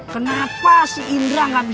pega apa itu tadi